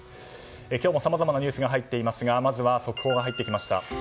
今日もさまざまなニュースが入っていますがまずは速報が入ってきました。